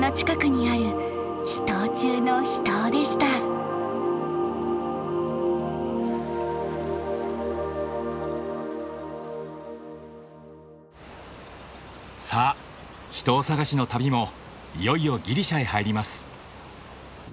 さあ秘湯探しの旅もいよいよギリシャへ入ります。